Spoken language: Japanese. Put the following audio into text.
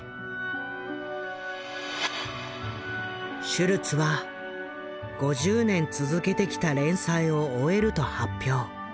シュルツは５０年続けてきた連載を終えると発表。